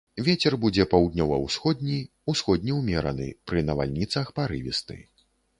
Вецер будзе паўднёва-ўсходні, усходні ўмераны, пры навальніцах парывісты.